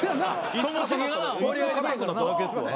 椅子硬くなっただけです。